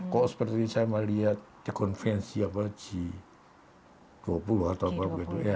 kok seperti saya melihat di konvensi apa g dua puluh atau apa begitu ya